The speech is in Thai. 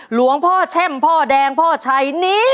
หลวงพ่อแช่มพ่อแดงพ่อชัยนี้